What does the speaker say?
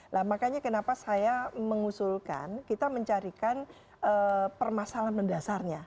nah makanya kenapa saya mengusulkan kita mencarikan permasalahan mendasarnya